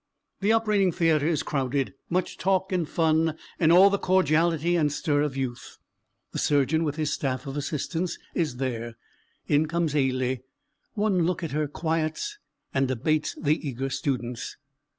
The operating theatre is crowded; much talk and fun, and all the cordiality and stir of youth. The surgeon with his staff of assistants is there. In comes Ailie: one look at her quiets and abates the eager students.